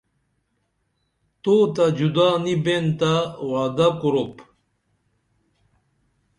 تو تہ جُدا نی بین تہ وعدہ کُروپ